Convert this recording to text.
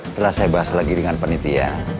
setelah saya bahas lagi dengan penitia